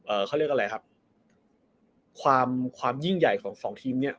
เขาเรียกอะไรครับความความยิ่งใหญ่ของสองทีมเนี้ย